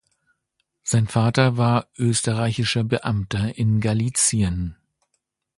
Sein Vater war österreichischer Beamter in Galizien.